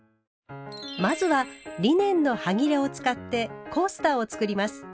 まずはリネンのはぎれを使って「コースター」を作ります。